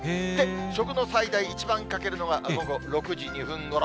食の最大、一番欠けるのが午後６時２分ごろ。